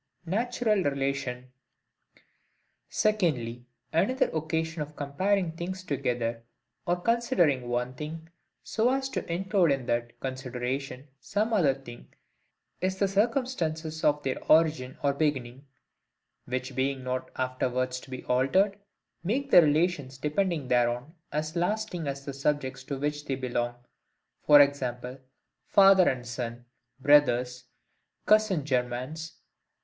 Natural relation. Secondly, Another occasion of comparing things together, or considering one thing, so as to include in that consideration some other thing, is the circumstances of their origin or beginning; which being not afterwards to be altered, make the relations depending thereon as lasting as the subjects to which they belong, v.g. father and son, brothers, cousin germans, &c.